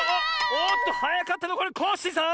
おっとはやかったのはこれコッシーさん！